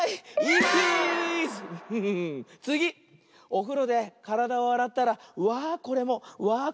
おふろでからだをあらったらわあこれもわあ